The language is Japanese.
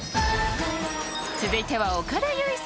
［続いては岡田結実さん］